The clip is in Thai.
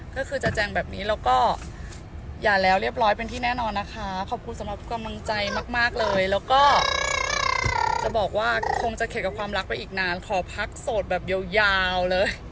ก็คือจะแจงแบบนี้แล้วก็อย่าแล้วเรียบร้อยเป็นที่แน่นอนนะคะขอบคุณสำหรับกำลังใจมากเลยแล้วก็จะบอกว่าคงจะเข็ดกับความรักไปอีกนานขอพักโสดแบบยาวเลย